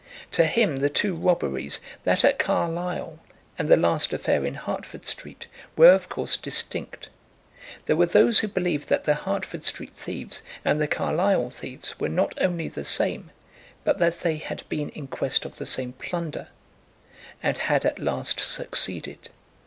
To him the two robberies, that at Carlisle and the last affair in Hertford Street, were of course distinct. There were those who believed that the Hertford Street thieves and the Carlisle thieves were not only the same, but that they had been in quest of the same plunder, and had at last succeeded.